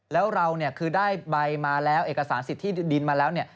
แล้วเราเนี่ยคือได้ใบมาแล้วเอกสารสิทธิดินมาแล้วเนี่ย